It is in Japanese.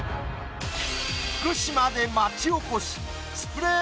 福島で町おこしスプレー